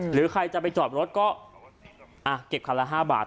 หรือใครจะไปจอดรถก็เก็บคันละ๕บาท